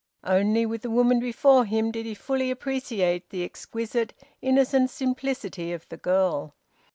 Only with the woman before him did he fully appreciate the exquisite innocent simplicity of the girl.